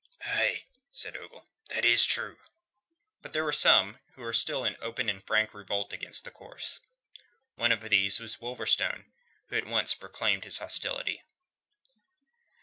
"Aye," said Ogle, "that is true." But there were some who were still in open and frank revolt against the course. Of these was Wolverstone, who at once proclaimed his hostility.